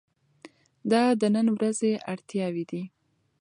دا د نن ورځې اړتیاوې دي.